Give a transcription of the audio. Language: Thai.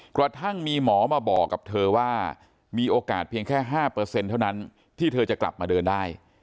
กระทั่งมีหมอมาบอกกับเธอว่ามีโอกาสเพียงแค่๕เท่านั้นที่เธอจะกลับมาเดินได้